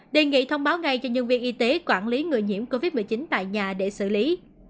đề nghị thông báo ngay cho nhân viên y tế quản lý người nhiễm covid một mươi chín tại nhà để xử lý